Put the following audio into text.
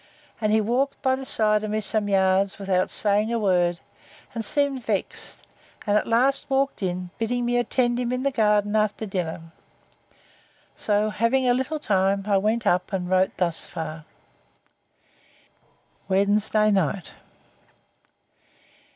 And he walked by the side of me some yards, without saying a word, and seemed vexed; and at last walked in, bidding me attend him in the garden, after dinner. So having a little time, I went up, and wrote thus far. Wednesday night.